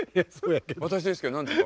私ですけど何ですか？